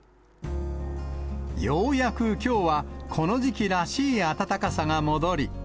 ようやくきょうは、この時期らしい暖かさが戻り。